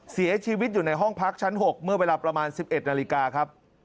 เสียชีวิตอยู่ในห้องพักชั้น๖เมื่อเวลาประมาณ๑๑นาฬิกาครับ